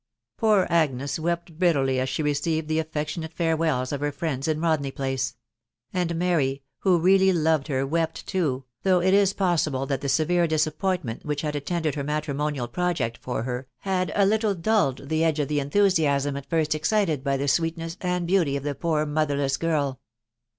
Poor Agnes wept bitterly as she received the affectionate farewells of her friends in Rodney Place; and Mary, who really loved her, wept too, though it is possible that the severe disappointment which had attended her matrimonial project for her, had a little dulled the edge of the enthusiasm at first excited by the sweetness and beauty of the poor motherless girl.